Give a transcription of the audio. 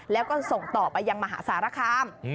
แล้วก็ส่งต่อไปยังมหาสารคาม